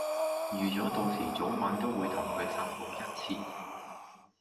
預咗到時早晚都會同佢散步一次